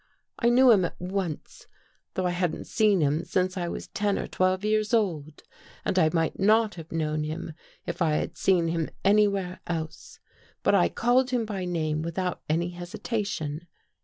I knew him at once, though I hadn't seen him since I was ten or twelve years old and I might not have known him if I had seen him any where else. But I called him by name without any hesitation.